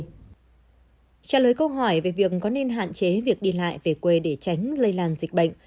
trả lời câu hỏi về việc có nên hạn chế việc đi lại về quê để tránh lây lan dịch bệnh